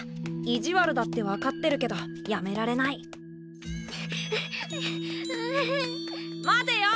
意地悪だってわかってるけどやめられない待てよ！